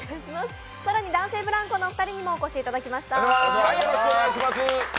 更に男性ブランコのお二人にもお越しいただきました。